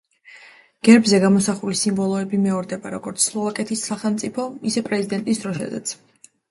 გერბზე გამოსახული სიმბოლოები მეორდება როგორც სლოვაკეთის სახელმწიფო, ისე პრეზიდენტის დროშაზეც.